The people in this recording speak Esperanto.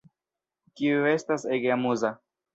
Kiu estas ege amuza